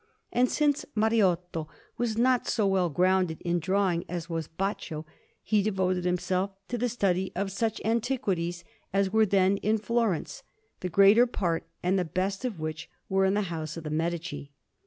And since Mariotto was not so well grounded in drawing as was Baccio, he devoted himself to the study of such antiquities as were then in Florence, the greater part and the best of which were in the house of the Medici.